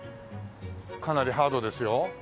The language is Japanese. かなりハードですよ。